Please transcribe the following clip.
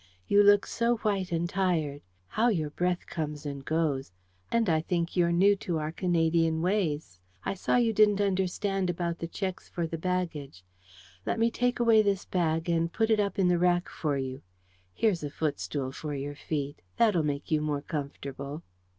You look so white and tired. How your breath comes and goes! And I think you're new to our Canadian ways. I saw you didn't understand about the checks for the baggage. Let me take away this bag and put it up in the rack for you. Here's a footstool for your feet; that'll make you more comfortable."